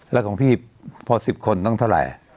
แล้วของพี่พอ๑๐คนต้องเท่าไหร่